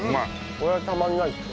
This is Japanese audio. これはたまらないですよ。